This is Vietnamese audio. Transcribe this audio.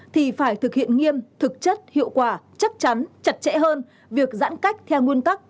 thì phải thực hiện nghiêm thực chất hiệu quả chắc chắn chặt chẽ hơn việc giãn cách theo nguyên tắc